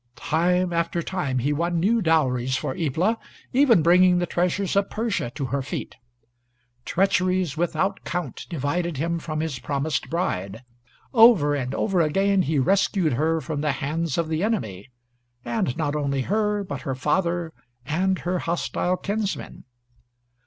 Time after time he won new dowries for Ibla, even bringing the treasures of Persia to her feet. Treacheries without count divided him from his promised bride. Over and over again he rescued her from the hands of the enemy; and not only her, but her father and her hostile kinsmen.